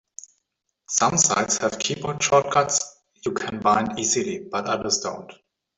Some sites have keyboard shortcuts you can bind easily, but others don't.